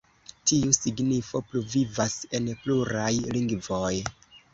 Tiu signifo pluvivas en pluraj lingvoj.